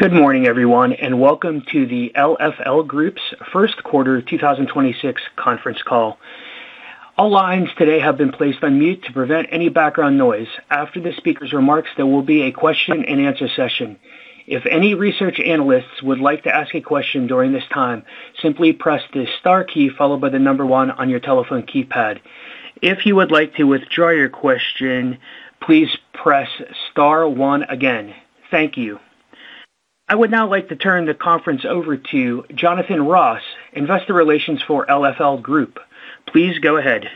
Good morning, everyone, and welcome to the LFL Group's first quarter 2026 conference call. All lines today have been placed on mute to prevent any background noise. After the speaker's remarks, there will be a question-and-answer session. If any research analysts would like to ask a question during this time, simply press the star key followed by the number one on your telephone keypad. If you would like to withdraw your question, please press star one again. Thank you. I would now like to turn the conference over to Jonathan Ross, investor relations for LFL Group. Please go ahead.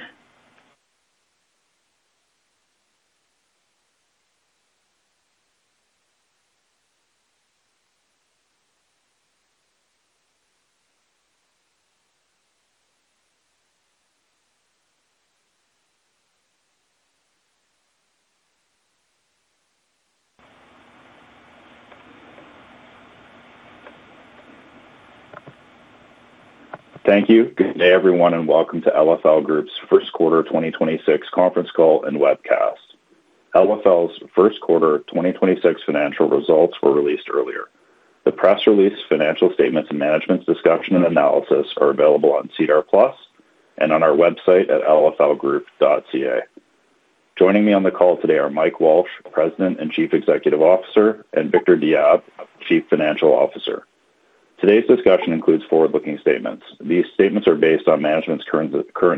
Thank you. Good day, everyone, and welcome to LFL Group's first quarter 2026 conference call and webcast. LFL's first quarter 2026 financial results were released earlier. The press release, financial statements, and management's discussion and analysis are available on SEDAR+ and on our website at lflgroup.ca. Joining me on the call today are Mike Walsh, President and Chief Executive Officer, and Victor Diab, Chief Financial Officer. Today's discussion includes forward-looking statements. These statements are based on management's current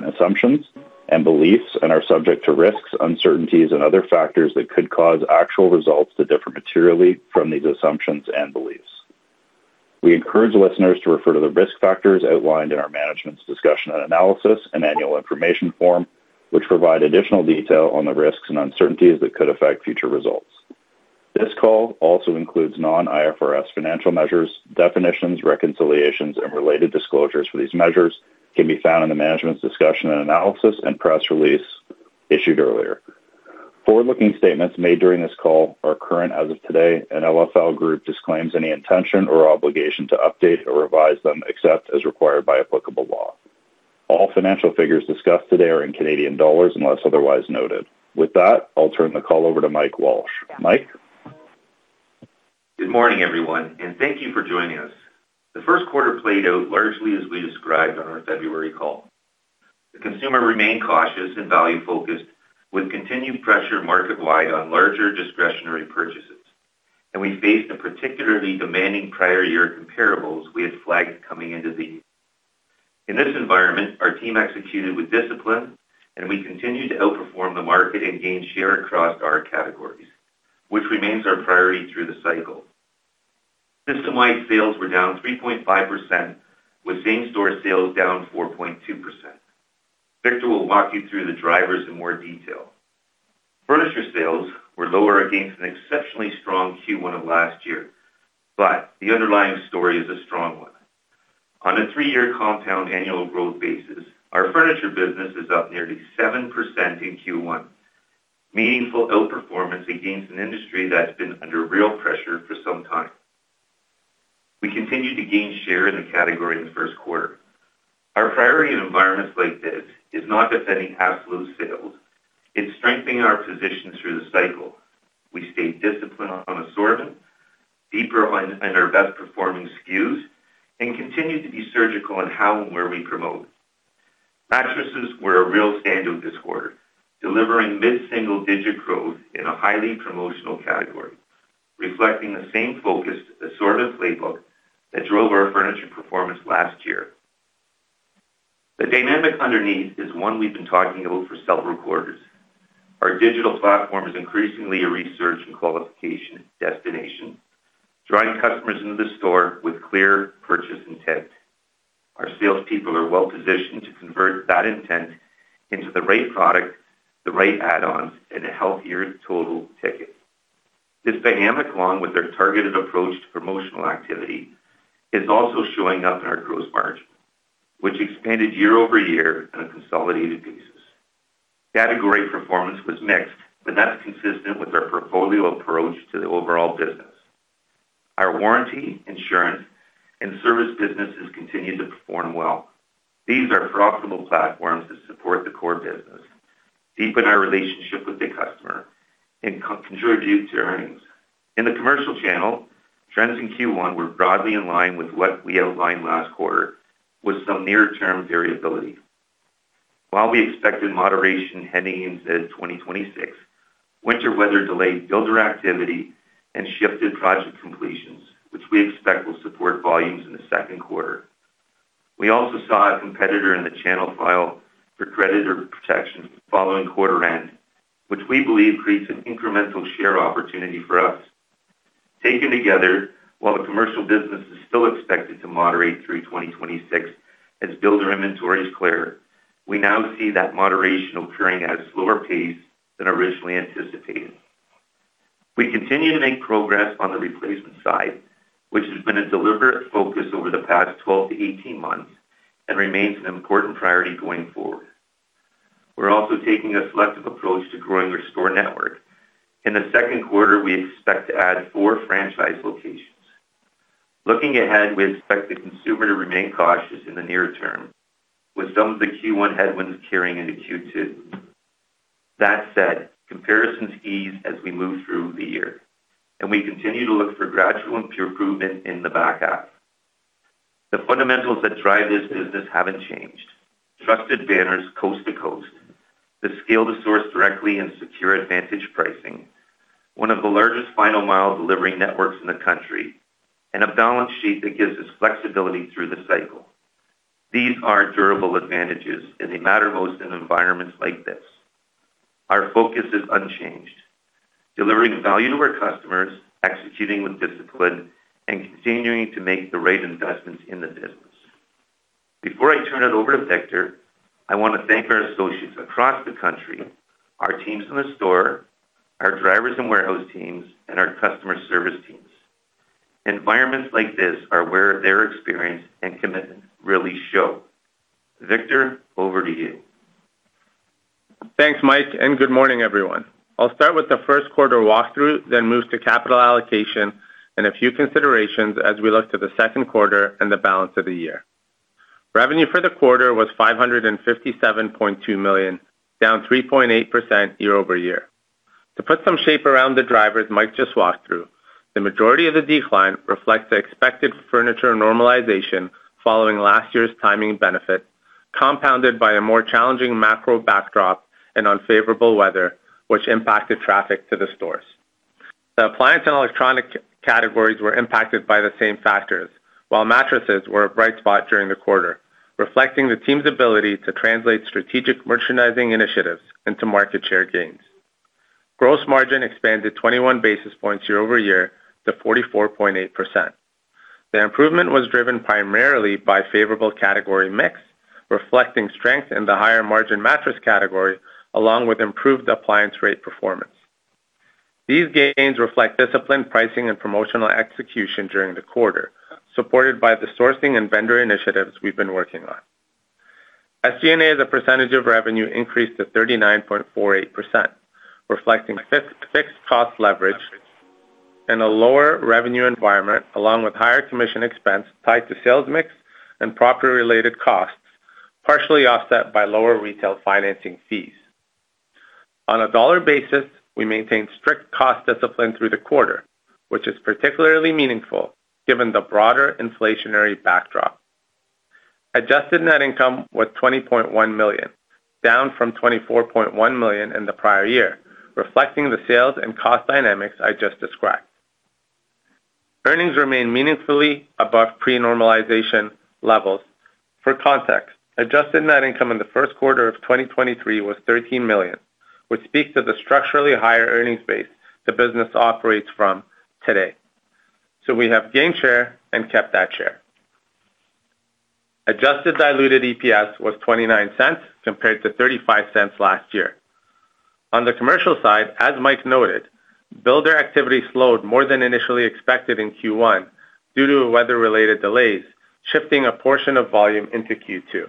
assumptions and beliefs and are subject to risks, uncertainties, and other factors that could cause actual results to differ materially from these assumptions and beliefs. We encourage listeners to refer to the risk factors outlined in our management's discussion and analysis and annual information form, which provide additional detail on the risks and uncertainties that could affect future results. This call also includes non-IFRS financial measures, definitions, reconciliations, and related disclosures for these measures can be found in the management's discussion and analysis and press release issued earlier. Forward-looking statements made during this call are current as of today, LFL Group disclaims any intention or obligation to update or revise them except as required by applicable law. All financial figures discussed today are in Canadian dollars unless otherwise noted. With that, I'll turn the call over to Mike Walsh. Mike? Good morning, everyone, and thank you for joining us. The first quarter played out largely as we described on our February call. The consumer remained cautious and value-focused with continued pressure market-wide on larger discretionary purchases, and we faced a particularly demanding prior year comparables we had flagged coming into the year. In this environment, our team executed with discipline, and we continued to outperform the market and gain share across our categories, which remains our priority through the cycle. System-wide sales were down 3.5%, with same-store sales down 4.2%. Victor will walk you through the drivers in more detail. Furniture sales were lower against an exceptionally strong Q1 of last year, but the underlying story is a strong one. On a three-year compound annual growth basis, our furniture business is up nearly 7% in Q1, meaningful outperformance against an industry that's been under real pressure for some time. We continued to gain share in the category in the first quarter. Our priority in environments like this is not defending absolute sales. It's strengthening our position through the cycle. We stayed disciplined on assortment, deeper on our best-performing SKUs, and continued to be surgical on how and where we promote. Mattresses were a real standout this quarter, delivering mid-single-digit growth in a highly promotional category, reflecting the same focused assortment playbook that drove our furniture performance last year. The dynamic underneath is one we've been talking about for several quarters. Our digital platform is increasingly a research and qualification destination, drawing customers into the store with clear purchase intent. Our salespeople are well-positioned to convert that intent into the right product, the right add-ons, and a healthier total ticket. This dynamic, along with our targeted approach to promotional activity, is also showing up in our gross margin, which expanded year-over-year on a consolidated basis. Category performance was mixed, but that's consistent with our portfolio approach to the overall business. Our warranty, insurance, and service businesses continued to perform well. These are profitable platforms that support the core business, deepen our relationship with the customer, and contribute to earnings. In the commercial channel, trends in Q1 were broadly in line with what we outlined last quarter with some near-term variability. While we expected moderation heading into 2026, winter weather delayed builder activity and shifted project completions, which we expect will support volumes in the second quarter. We also saw a competitor in the channel file for creditor protection following quarter end, which we believe creates an incremental share opportunity for us. Taken together, while the commercial business is still expected to moderate through 2026 as builder inventories clear, we now see that moderation occurring at a slower pace than originally anticipated. We continue to make progress on the replacement side, which has been a deliberate focus over the past 12-18 months and remains an important priority going forward. We are also taking a selective approach to growing our store network. In the second quarter, we expect to add four franchise locations. Looking ahead, we expect the consumer to remain cautious in the near term, with some of the Q1 headwinds carrying into Q2. That said, comparisons ease as we move through the year, and we continue to look for gradual improvement in the back half. The fundamentals that drive this business haven't changed. Trusted banners coast to coast, the scale to source directly and secure advantage pricing, one of the largest final mile delivery networks in the country, and a balance sheet that gives us flexibility through the cycle. These are durable advantages and they matter most in environments like this. Our focus is unchanged, delivering value to our customers, executing with discipline, and continuing to make the right investments in the business. Before I turn it over to Victor, I want to thank our associates across the country, our teams in the store, our drivers and warehouse teams, and our customer service teams. Environments like this are where their experience and commitment really show. Victor, over to you. Thanks, Mike. Good morning, everyone. I'll start with the first quarter walkthrough, then move to capital allocation and a few considerations as we look to the second quarter and the balance of the year. Revenue for the quarter was 557.2 million, down 3.8% year-over-year. To put some shape around the drivers Mike just walked through, the majority of the decline reflects the expected furniture normalization following last year's timing benefit, compounded by a more challenging macro backdrop and unfavorable weather, which impacted traffic to the stores. The appliance and electronic categories were impacted by the same factors, while mattresses were a bright spot during the quarter, reflecting the team's ability to translate strategic merchandising initiatives into market share gains. Gross margin expanded 21 basis points year-over-year to 44.8%. The improvement was driven primarily by favorable category mix, reflecting strength in the higher-margin mattress category, along with improved appliance rate performance. These gains reflect disciplined pricing and promotional execution during the quarter, supported by the sourcing and vendor initiatives we've been working on. SG&A as a percentage of revenue increased to 39.48%, reflecting fixed cost leverage and a lower revenue environment, along with higher commission expense tied to sales mix and property-related costs, partially offset by lower retail financing fees. On a dollar basis, we maintained strict cost discipline through the quarter, which is particularly meaningful given the broader inflationary backdrop. Adjusted net income was 20.1 million, down from 24.1 million in the prior year, reflecting the sales and cost dynamics I just described. Earnings remain meaningfully above pre-normalization levels. For context, adjusted net income in the first quarter of 2023 was 13 million, which speaks to the structurally higher earnings base the business operates from today. We have gained share and kept that share. Adjusted diluted EPS was 0.29 compared to 0.35 last year. On the commercial side, as Mike noted, builder activity slowed more than initially expected in Q1 due to weather-related delays, shifting a portion of volume into Q2.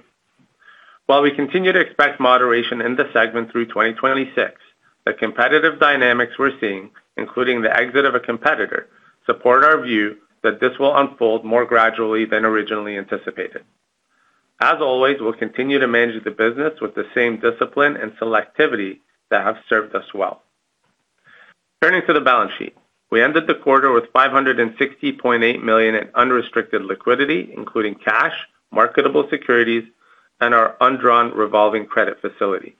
While we continue to expect moderation in the segment through 2026, the competitive dynamics we're seeing, including the exit of a competitor, support our view that this will unfold more gradually than originally anticipated. As always, we'll continue to manage the business with the same discipline and selectivity that have served us well. Turning to the balance sheet. We ended the quarter with 560.8 million in unrestricted liquidity, including cash, marketable securities, and our undrawn revolving credit facility.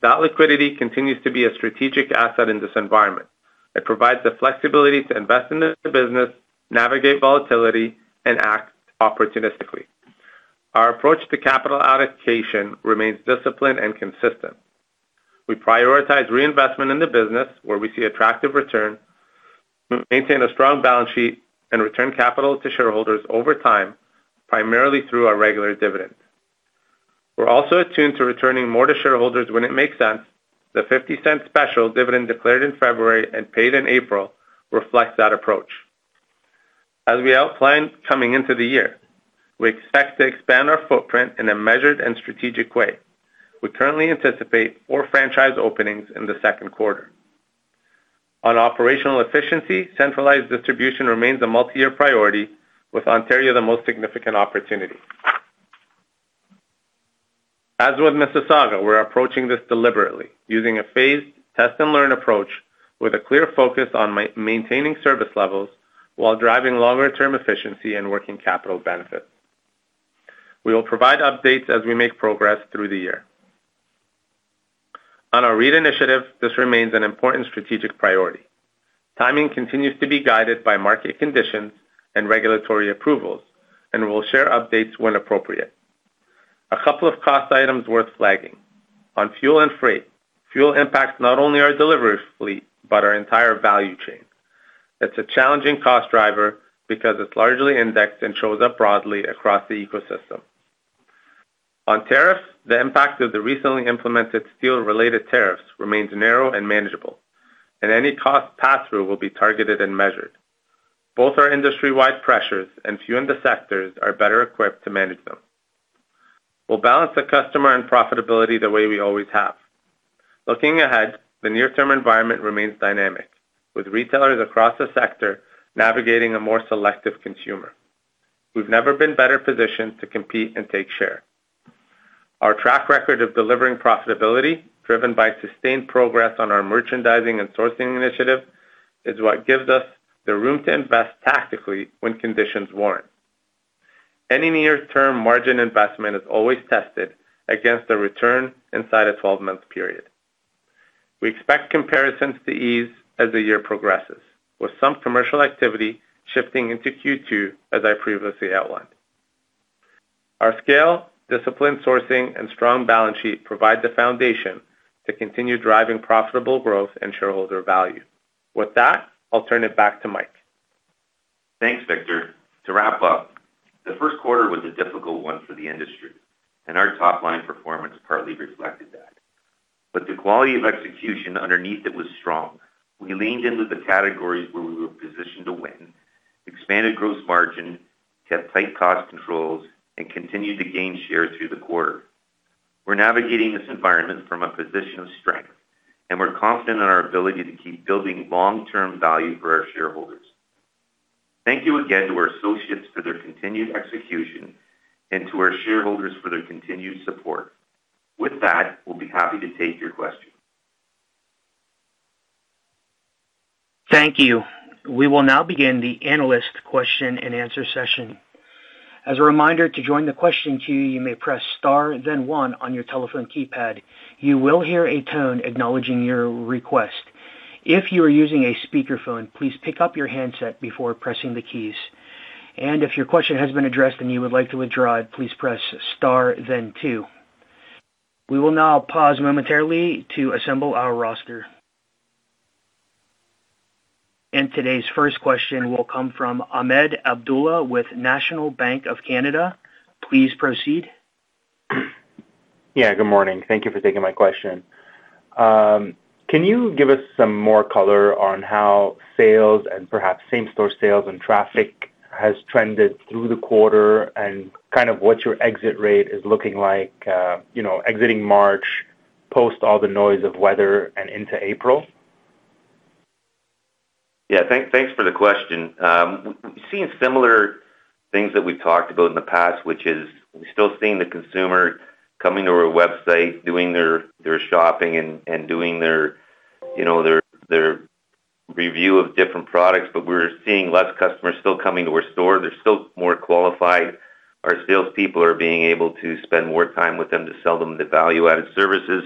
That liquidity continues to be a strategic asset in this environment. It provides the flexibility to invest in the business, navigate volatility, and act opportunistically. Our approach to capital allocation remains disciplined and consistent. We prioritize reinvestment in the business where we see attractive return, maintain a strong balance sheet, and return capital to shareholders over time, primarily through our regular dividend. We're also attuned to returning more to shareholders when it makes sense. The 0.50 special dividend declared in February and paid in April reflects that approach. As we outlined coming into the year, we expect to expand our footprint in a measured and strategic way. We currently anticipate four franchise openings in the second quarter. On operational efficiency, centralized distribution remains a multi-year priority, with Ontario the most significant opportunity. As with Mississauga, we're approaching this deliberately, using a phased test-and-learn approach with a clear focus on maintaining service levels while driving longer-term efficiency and working capital benefits. We will provide updates as we make progress through the year. On our REIT initiative, this remains an important strategic priority. Timing continues to be guided by market conditions and regulatory approvals, and we'll share updates when appropriate. A couple of cost items worth flagging. On fuel and freight, fuel impacts not only our delivery fleet but our entire value chain. It's a challenging cost driver because it's largely indexed and shows up broadly across the ecosystem. On tariffs, the impact of the recently implemented steel-related tariffs remains narrow and manageable, and any cost pass-through will be targeted and measured. Both are industry-wide pressures, and few in the sectors are better equipped to manage them. We'll balance the customer and profitability the way we always have. Looking ahead, the near-term environment remains dynamic, with retailers across the sector navigating a more selective consumer. We've never been better positioned to compete and take share. Our track record of delivering profitability, driven by sustained progress on our merchandising and sourcing initiative, is what gives us the room to invest tactically when conditions warrant. Any near-term margin investment is always tested against the return inside a 12-month period. We expect comparisons to ease as the year progresses, with some commercial activity shifting into Q2 as I previously outlined. Our scale, disciplined sourcing, and strong balance sheet provide the foundation to continue driving profitable growth and shareholder value. With that, I'll turn it back to Mike. Thanks, Victor. To wrap up, the first quarter was a difficult one for the industry. Our top-line performance partly reflected that. The quality of execution underneath it was strong. We leaned into the categories where we were positioned to win, expanded gross margin, kept tight cost controls, and continued to gain share through the quarter. We're navigating this environment from a position of strength. We're confident in our ability to keep building long-term value for our shareholders. Thank you again to our associates for their continued execution and to our shareholders for their continued support. With that, we'll be happy to take your questions. Thank you. We will now begin the analyst question and answer session. As a reminder, to join the question queue, you may press star then one on your telephone keypad. You will hear a tone acknowledging your request. If you are using a speakerphone, please pick up your handset before pressing the keys. If your question has been addressed and you would like to withdraw it, please press star then two. We will now pause momentarily to assemble our roster. Today's first question will come from Ahmed Abdullah with National Bank of Canada. Please proceed. Yeah, good morning. Thank you for taking my question. Can you give us some more color on how sales and perhaps same-store sales and traffic has trended through the quarter and kind of what your exit rate is looking like, you know, exiting March post all the noise of weather and into April? Yeah. Thanks for the question. We've seen similar things that we've talked about in the past, which is we're still seeing the consumer coming to our website, doing their shopping and doing their, you know, their review of different products, but we're seeing less customers still coming to our store. They're still more qualified. Our salespeople are being able to spend more time with them to sell them the value-added services.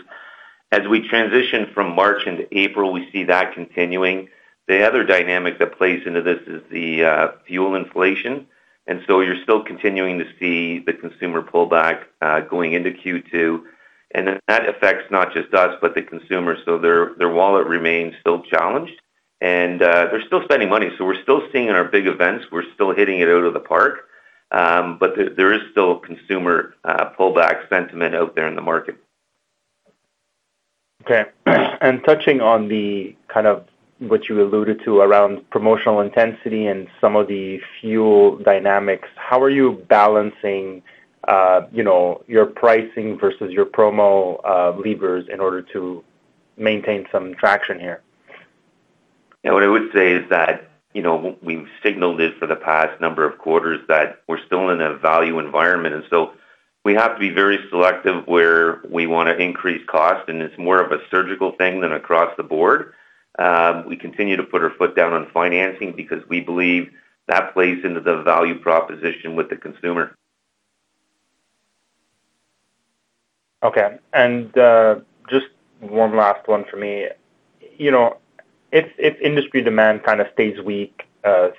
As we transition from March into April, we see that continuing. The other dynamic that plays into this is the fuel inflation. You're still continuing to see the consumer pullback going into Q2, that affects not just us, but the consumer. Their wallet remains still challenged, and they're still spending money. We're still seeing in our big events, we're still hitting it out of the park. There is still consumer, pullback sentiment out there in the market. Okay. Touching on the kind of what you alluded to around promotional intensity and some of the fuel dynamics, how are you balancing, you know, your pricing versus your promo levers in order to maintain some traction here? Yeah. What I would say is that, you know, we've signaled it for the past number of quarters that we're still in a value environment. We have to be very selective where we wanna increase cost, and it's more of a surgical thing than across the board. We continue to put our foot down on financing because we believe that plays into the value proposition with the consumer. Okay. Just one last one for me. You know, if industry demand kind of stays weak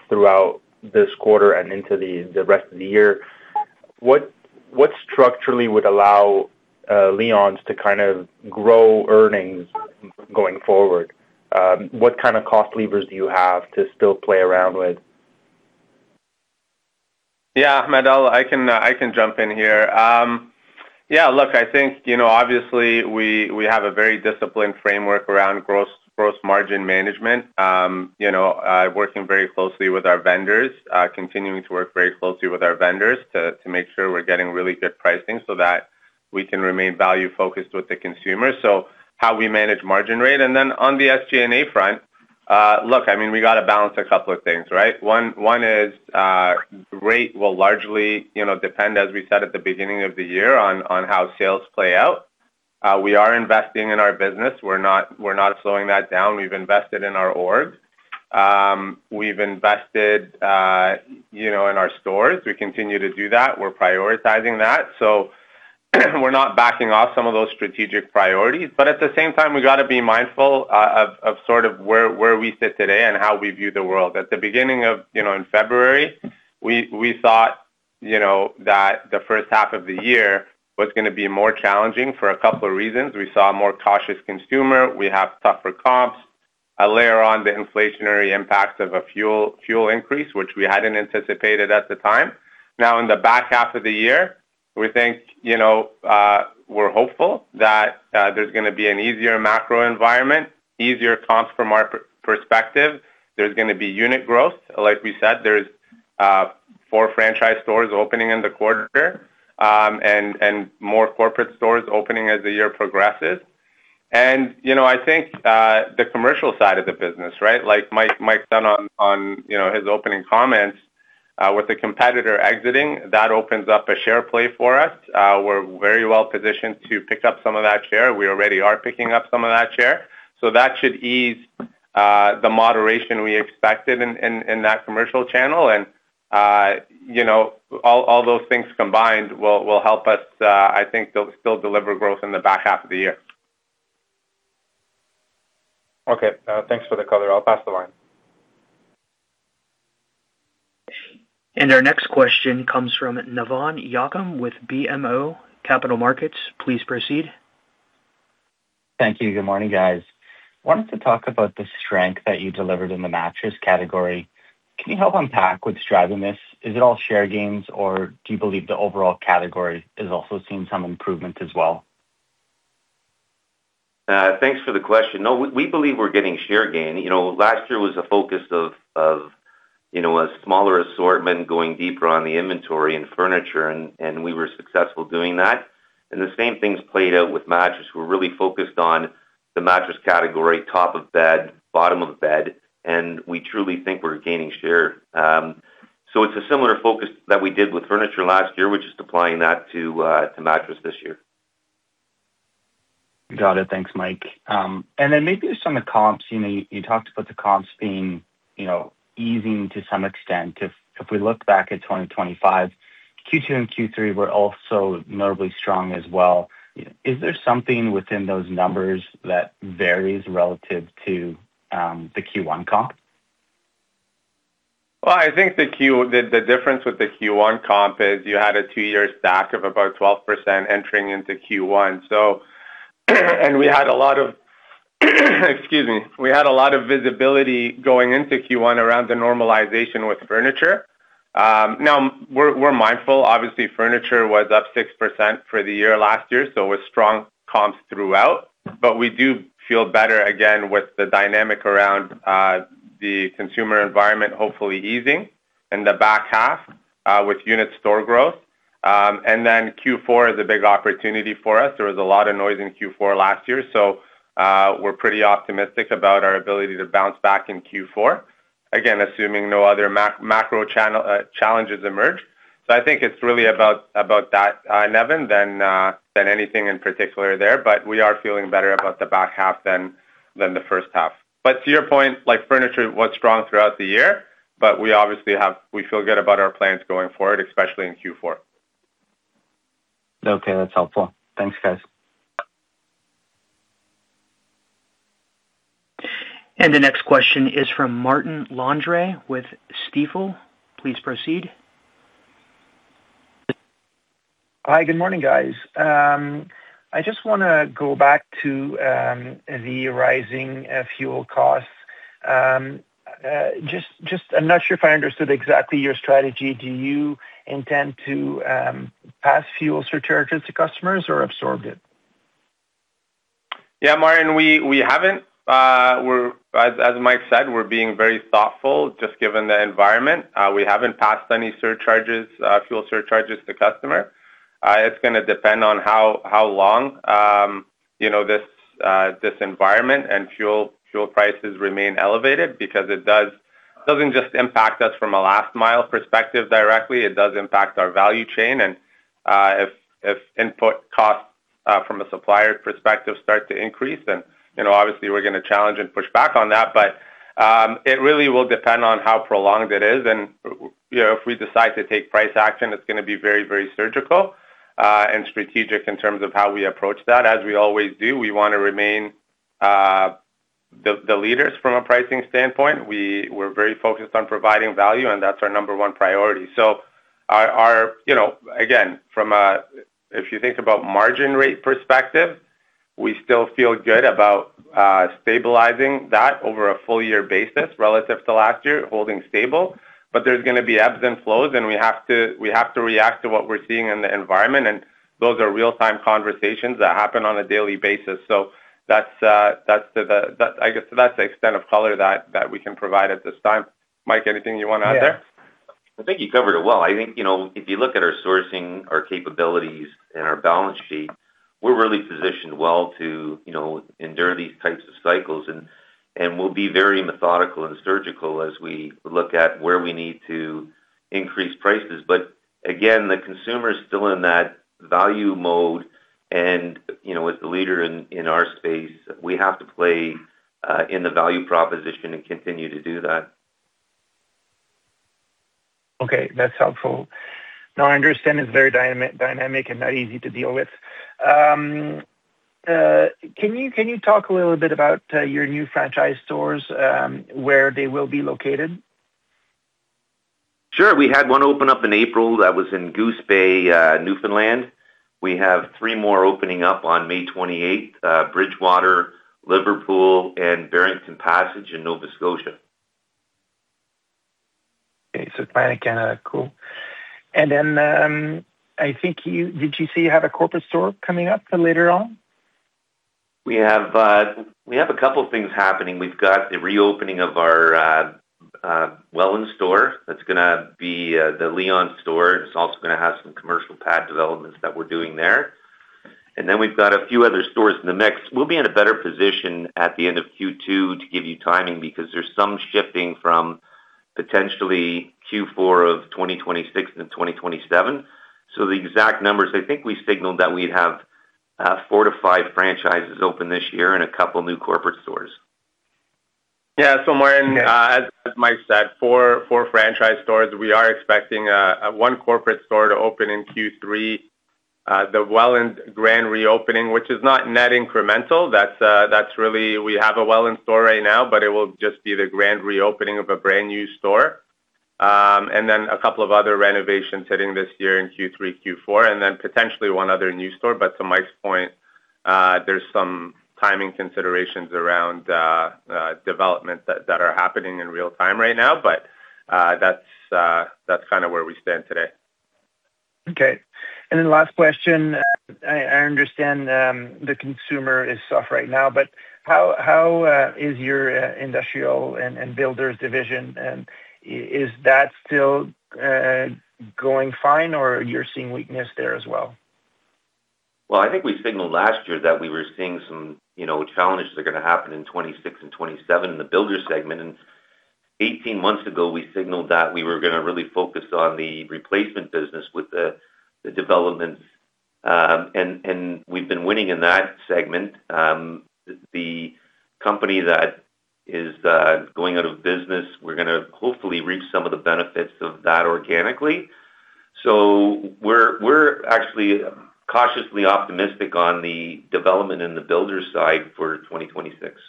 throughout this quarter and into the rest of the year, what structurally would allow Leon's to kind of grow earnings going forward? What kind of cost levers do you have to still play around with? Yeah, Ahmed, I can jump in here. Yeah, look, I think, you know, obviously, we have a very disciplined framework around gross margin management. You know, working very closely with our vendors, continuing to work very closely with our vendors to make sure we're getting really good pricing so that we can remain value-focused with the consumer. How we manage margin rate. On the SG&A front, look, I mean, we got to balance a couple of things, right? One is, rate will largely, you know, depend, as we said at the beginning of the year, on how sales play out. We are investing in our business. We're not slowing that down. We've invested in our org. We've invested, you know, in our stores. We continue to do that. We're prioritizing that. We're not backing off some of those strategic priorities. At the same time, we gotta be mindful of sort of where we sit today and how we view the world. At the beginning of, you know, in February, we thought, you know, that the first half of the year was gonna be more challenging for a couple of reasons. We saw a more cautious consumer. We have tougher comps. A layer on the inflationary impacts of a fuel increase, which we hadn't anticipated at the time. In the back half of the year, we think, you know, we're hopeful that there's gonna be an easier macro environment, easier comps from our perspective. There's gonna be unit growth. Like we said, there's four franchise stores opening in the quarter, and more corporate stores opening as the year progresses. You know, I think the commercial side of the business, right? Like Mike said, you know, his opening comments, with the competitor exiting, that opens up a share play for us. We're very well positioned to pick up some of that share. We already are picking up some of that share. That should ease the moderation we expected in that commercial channel. You know, all those things combined will help us, I think still deliver growth in the back half of the year. Okay. Thanks for the color. I'll pass the line. Our next question comes from Stephen MacLeod with BMO Capital Markets. Please proceed. Thank you. Good morning, guys. I wanted to talk about the strength that you delivered in the mattress category. Can you help unpack what's driving this? Is it all share gains, or do you believe the overall category is also seeing some improvement as well? Thanks for the question. No, we believe we're getting share gain. You know, last year was a focus of, you know, a smaller assortment going deeper on the inventory and furniture, and we were successful doing that. The same thing's played out with mattress. We're really focused on the mattress category, top of bed, bottom of bed, and we truly think we're gaining share. It's a similar focus that we did with furniture last year. We're just applying that to mattress this year. Got it. Thanks, Mike. Then maybe just on the comps. You know, you talked about the comps being, you know, easing to some extent. If we look back at 2025, Q2 and Q3 were also notably strong as well. Is there something within those numbers that varies relative to the Q1 comp? I think the difference with the Q1 comp is you had a two-year stack of about 12% entering into Q1. We had a lot of, excuse me, we had a lot of visibility going into Q1 around the normalization with furniture. Now we're mindful. Obviously, furniture was up 6% for the year last year, it was strong comps throughout. We do feel better again with the dynamic around the consumer environment hopefully easing in the back half with unit store growth. Q4 is a big opportunity for us. There was a lot of noise in Q4 last year, we're pretty optimistic about our ability to bounce back in Q4, again, assuming no other macro channel challenges emerge. I think it's really about that, Navan, than anything in particular there. We are feeling better about the back half than the first half. To your point, like, furniture was strong throughout the year, but we feel good about our plans going forward, especially in Q4. Okay, that's helpful. Thanks, guys. The next question is from Martin Landry with Stifel. Please proceed. Hi. Good morning, guys. I just wanna go back to the rising fuel costs. Just I'm not sure if I understood exactly your strategy. Do you intend to pass fuel surcharges to customers or absorb it? Yeah, Martin, we haven't. As Mike said, we're being very thoughtful just given the environment. We haven't passed any surcharges, fuel surcharges to customer. It's gonna depend on how long, you know, this environment and fuel prices remain elevated because it doesn't just impact us from a last mile perspective directly. It does impact our value chain. If input costs, from a supplier perspective start to increase, then, you know, obviously we're gonna challenge and push back on that. It really will depend on how prolonged it is. You know, if we decide to take price action, it's gonna be very surgical, and strategic in terms of how we approach that, as we always do. We wanna remain the leaders from a pricing standpoint. We're very focused on providing value, and that's our number one priority. Our You know, again, from a if you think about margin rate perspective, we still feel good about stabilizing that over a full year basis relative to last year, holding stable. There's gonna be ebbs and flows, and we have to react to what we're seeing in the environment, and those are real-time conversations that happen on a daily basis. That's, that's the I guess that's the extent of color that we can provide at this time. Mike, anything you wanna add there? Yeah. I think you covered it well. I think, you know, if you look at our sourcing, our capabilities, and our balance sheet, we're really positioned well to, you know, endure these types of cycles. We'll be very methodical and surgical as we look at where we need to increase prices. Again, the consumer is still in that value mode, and, you know, as the leader in our space, we have to play in the value proposition and continue to do that. Okay, that's helpful. I understand it's very dynamic and not easy to deal with. Can you talk a little bit about your new franchise stores, where they will be located? Sure. We had one open up in April. That was in Goose Bay, Newfoundland. We have three more opening up on May 28th, Bridgewater, Liverpool, and Barrington Passage in Nova Scotia. Atlantic Canada. Cool. I think you Did you say you have a corporate store coming up later on? We have a couple things happening. Welland store, that's gonna be the Leon's store. It's also gonna have some commercial pad developments that we're doing there. We've got a few other stores in the mix. We'll be in a better position at the end of Q2 to give you timing because there's some shifting from potentially Q4 of 2026 to 2027. The exact numbers, I think we signaled that we'd have four to five franchises open this year and two new corporate stores. Somewhere in, as Mike said, four franchise stores. We are expecting one corporate store to open in Q3. The Welland grand reopening, which is not net incremental. We have a Welland store right now, but it will just be the grand reopening of a brand-new store. Then a couple of other renovations hitting this year in Q3, Q4, then potentially one other new store. To Mike's point, there's some timing considerations around development that are happening in real time right now. That's kinda where we stand today. Okay. Last question. I understand the consumer is soft right now, but how is your industrial and builders division? Is that still going fine or you're seeing weakness there as well? Well, I think we signaled last year that we were seeing some, you know, challenges that are gonna happen in 26 and 27 in the builder segment. Eighteen months ago, we signaled that we were gonna really focus on the replacement business with the developments. We've been winning in that segment. The company that is going out of business, we're gonna hopefully reap some of the benefits of that organically. We're actually cautiously optimistic on the development in the builders side for 2026.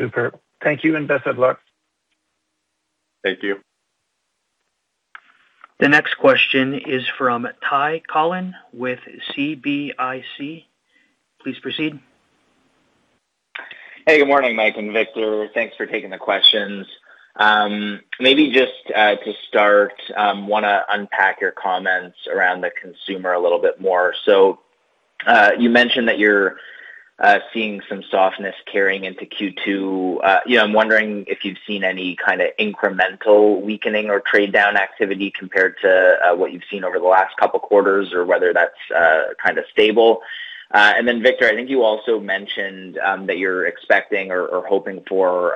Superb. Thank you and best of luck. Thank you. The next question is from Ty Collin with CIBC. Please proceed. Good morning, Mike and Victor. Thanks for taking the questions. Maybe just to start, want to unpack your comments around the consumer a little bit more. You mentioned that you're seeing some softness carrying into Q2. You know, I'm wondering if you've seen any kind of incremental weakening or trade-down activity compared to what you've seen over the last couple quarters or whether that's kind of stable. Victor, I think you also mentioned that you're expecting or hoping for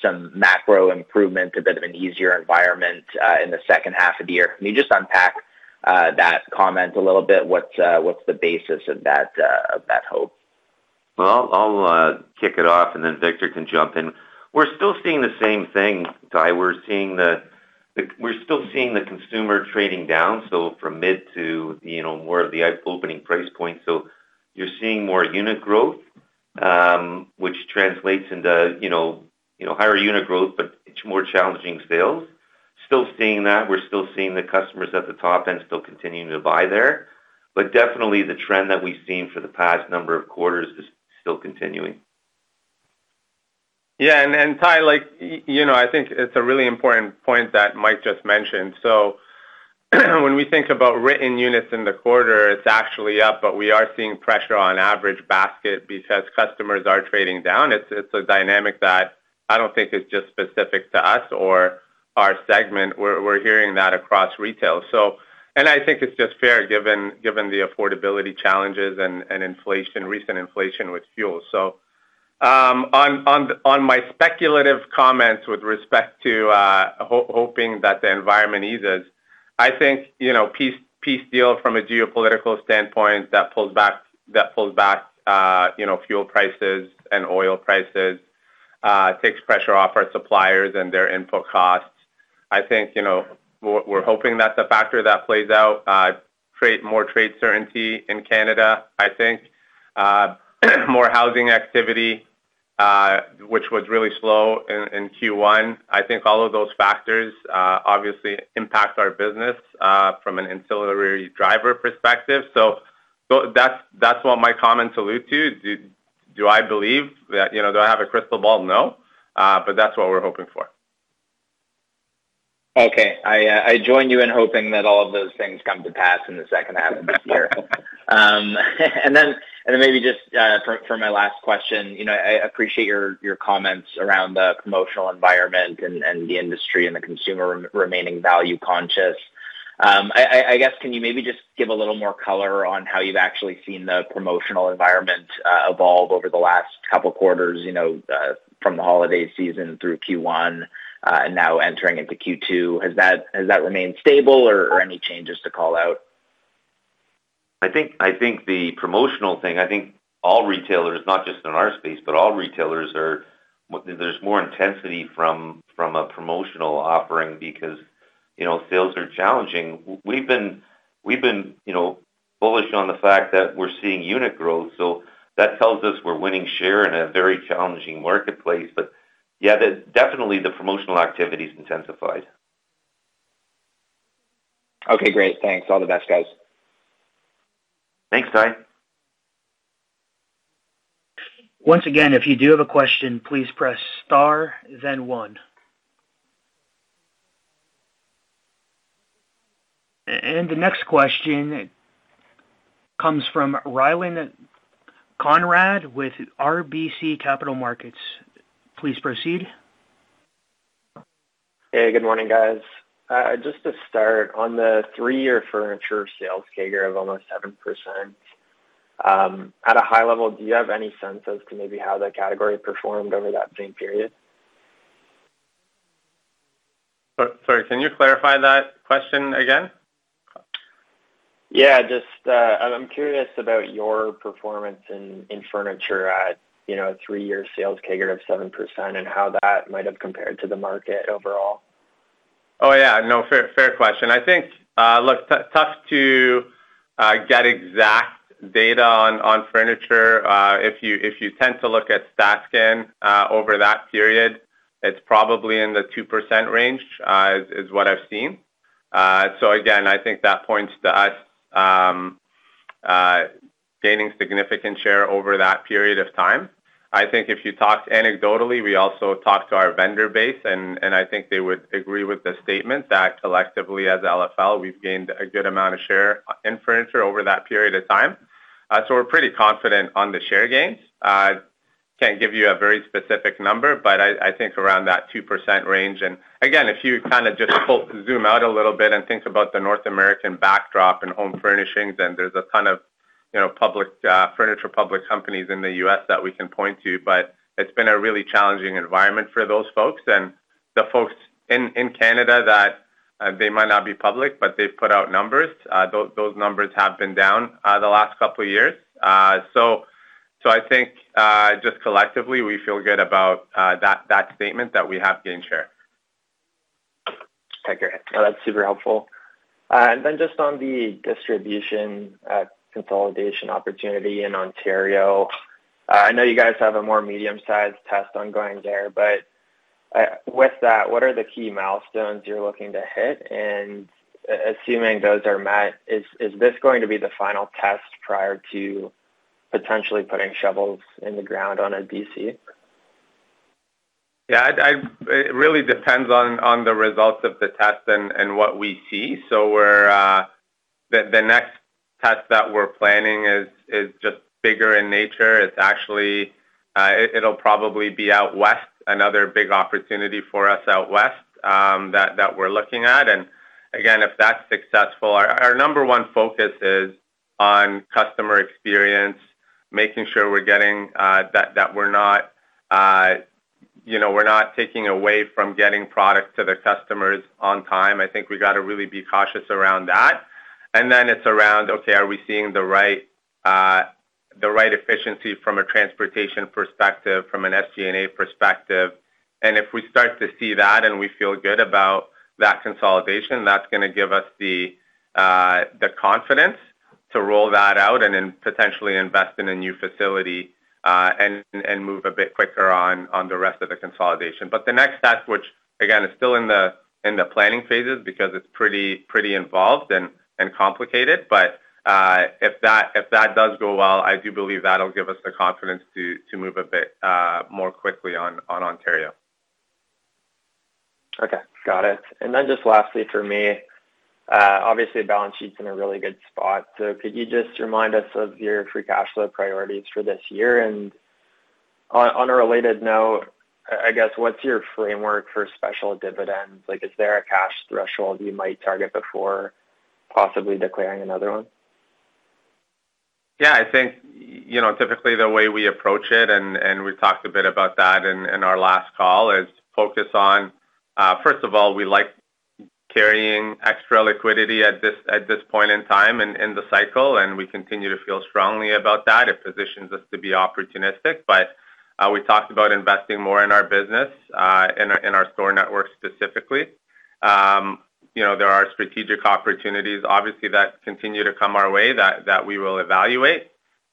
some macro improvement, a bit of an easier environment in the second half of the year. Can you just unpack that comment a little bit? What's the basis of that hope? Well, I'll kick it off, and then Victor can jump in. We're still seeing the same thing, Ty. We're still seeing the consumer trading down, so from mid to, you know, more of the opening price point. You're seeing more unit growth, which translates into, you know, you know, higher unit growth, but it's more challenging sales. Still seeing that. We're still seeing the customers at the top end still continuing to buy there. Definitely the trend that we've seen for the past number of quarters is still continuing. Yeah. Ty, like, you know, I think it's a really important point that Mike just mentioned. When we think about written units in the quarter, it's actually up, but we are seeing pressure on average basket because customers are trading down. It's a dynamic that I don't think is just specific to us or our segment. We're hearing that across retail. I think it's just fair given the affordability challenges and inflation, recent inflation with fuel. On my speculative comments with respect to hoping that the environment eases, I think, you know, peace deal from a geopolitical standpoint that pulls back fuel prices and oil prices, takes pressure off our suppliers and their input costs. I think, you know, we're hoping that's a factor that plays out. More trade certainty in Canada, I think. More housing activity, which was really slow in Q1. I think all of those factors obviously impact our business from an ancillary driver perspective. That's what my comments allude to. Do I believe that? You know, do I have a crystal ball? No. That's what we're hoping for. Okay. I join you in hoping that all of those things come to pass in the second half of this year. maybe just for my last question, you know, I appreciate your comments around the promotional environment and the industry and the consumer remaining value conscious. I guess, can you maybe just give a little more color on how you've actually seen the promotional environment evolve over the last couple quarters, you know, from the holiday season through Q1 and now entering into Q2? Has that remained stable or any changes to call out? I think the promotional thing, I think all retailers, not just in our space, but all retailers. There's more intensity from a promotional offering because, you know, sales are challenging. We've been, you know, bullish on the fact that we're seeing unit growth, that tells us we're winning share in a very challenging marketplace. Yeah, definitely the promotional activity's intensified. Okay, great. Thanks. All the best, guys. Thanks, Ty. Once again, if you do have a question, please press star then one. The next question comes from Rylan Conrad with RBC Capital Markets. Please proceed. Hey, good morning, guys. Just to start, on the three-year furniture sales CAGR of almost 7%, at a high level, do you have any sense as to maybe how that category performed over that same period? Sorry, can you clarify that question again? Yeah. Just, I'm curious about your performance in furniture at, you know, a three-year sales CAGR of 7%, and how that might have compared to the market overall. Oh, yeah. No. Fair, fair question. I think, look, tough to get exact data on furniture. If you tend to look at StatCan, over that period, it's probably in the 2% range, is what I've seen. Again, I think that points to us gaining significant share over that period of time. I think if you talked anecdotally, we also talked to our vendor base, and I think they would agree with the statement that collectively as LFL, we've gained a good amount of share in furniture over that period of time. We're pretty confident on the share gains. Can't give you a very specific number, I think around that 2% range. Again, if you kind of just zoom out a little bit and think about the North American backdrop in home furnishings, there's a ton of, you know, public, furniture public companies in the U.S. that we can point to. It's been a really challenging environment for those folks. The folks in Canada that they might not be public, but they've put out numbers, those numbers have been down the last couple years. I think just collectively, we feel good about that statement that we have gained share. Okay. No, that's super helpful. Then just on the distribution consolidation opportunity in Ontario, I know you guys have a more medium-sized test ongoing there, but, with that, what are the key milestones you're looking to hit? And assuming those are met, is this going to be the final test prior to potentially putting shovels in the ground on a DC? It really depends on the results of the test and what we see. The next test that we're planning is just bigger in nature. It's actually, it'll probably be out west, another big opportunity for us out west that we're looking at. Again, if that's successful, our number one focus is on customer experience, making sure we're getting that we're not, you know, we're not taking away from getting product to the customers on time. I think we gotta really be cautious around that. Then it's around, okay, are we seeing the right efficiency from a transportation perspective, from an SG&A perspective? If we start to see that and we feel good about that consolidation, that's going to give us the confidence to roll that out and then potentially invest in a new facility and move a bit quicker on the rest of the consolidation. The next test, which again is still in the planning phases because it's pretty involved and complicated. If that does go well, I do believe that will give us the confidence to move a bit more quickly on Ontario. Okay. Got it. Just lastly for me, obviously balance sheet's in a really good spot. Could you just remind us of your free cash flow priorities for this year? On a related note, I guess, what's your framework for special dividends? Like, is there a cash threshold you might target before possibly declaring another one? Yeah. I think, you know, typically the way we approach it, and we talked a bit about that in our last call, is focus on, first of all, we like carrying extra liquidity at this point in time in the cycle, and we continue to feel strongly about that. It positions us to be opportunistic. We talked about investing more in our business, in our store network specifically. You know, there are strategic opportunities obviously that continue to come our way that we will evaluate.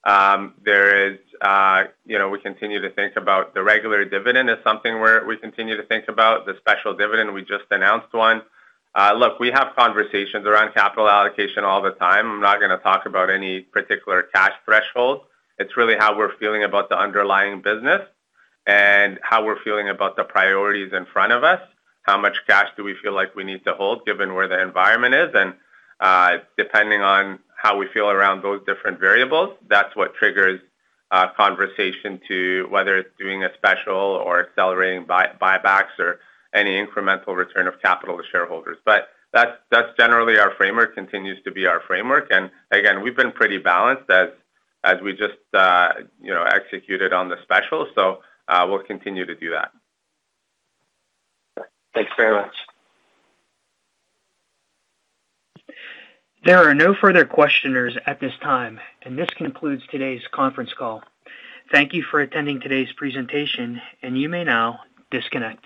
You know, we continue to think about the regular dividend is something we continue to think about. The special dividend, we just announced one. Look, we have conversations around capital allocation all the time. I'm not gonna talk about any particular cash threshold. It's really how we're feeling about the underlying business and how we're feeling about the priorities in front of us, how much cash do we feel like we need to hold given where the environment is. Depending on how we feel around those different variables, that's what triggers a conversation to whether it's doing a special or accelerating buybacks or any incremental return of capital to shareholders. That's generally our framework, continues to be our framework. Again, we've been pretty balanced as we just, you know, executed on the special. We'll continue to do that. Thanks very much. There are no further questioners at this time, and this concludes today's conference call. Thank you for attending today's presentation, and you may now disconnect.